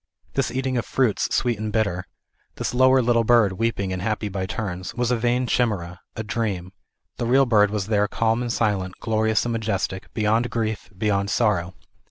This eating of fruits sweet and bitter, this lower little bird, weeping and happy by turns, was a vain chimera, a dream, the real bird was there calm and silent, glorious and majes tic ; beyond grief, beyond sorrow.